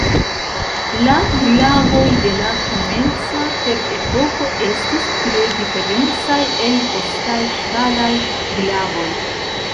La glavoj de la komenca Ferepoko estis tre diferencaj el postaj ŝtalaj glavoj.